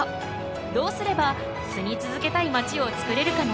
どうすれば住み続けたいまちをつくれるかな？